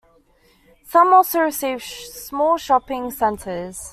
Some also received small shopping centers.